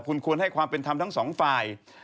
คุณควรให้ความเป็นธรรมทั้งสองฝ่าย